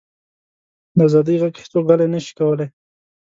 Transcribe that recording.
د ازادۍ ږغ هیڅوک غلی نه شي کولی.